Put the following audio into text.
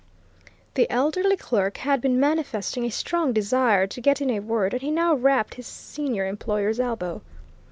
The elderly clerk had been manifesting a strong desire to get in a word, and he now rapped his senior employer's elbow.